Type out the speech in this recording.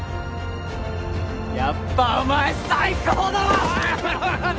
やっぱお前最高だわ！